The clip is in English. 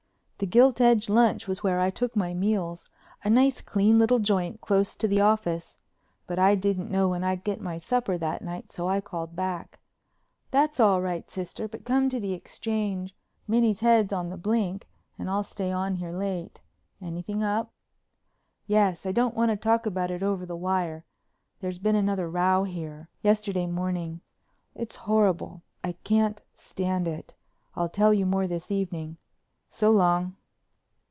The Gilt Edge Lunch was where I took my meals, a nice clean little joint close to the office. But I didn't know when I'd get my supper that night, so I called back: "That's all right, sister, but come to the Exchange. Minnie's head's on the blink and I'll stay on here late. Anything up?" "Yes. I don't want to talk about it over the wire. There's been another row here—yesterday morning. It's horrible; I can't stand it. I'll tell you more this evening. So long."